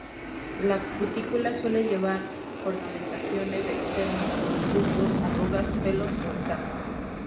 La cutícula suele llevar ornamentaciones externas, como surcos, arrugas, pelos o escamas.